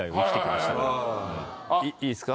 いいすか？